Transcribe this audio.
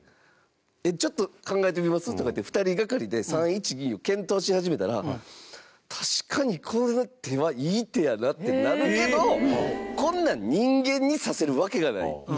ちょっと考えてみます？とかいって２人がかりで３一銀を検討し始めたら確かに、この手はいい手やなってなるけどこんなん人間に指せるわけがない。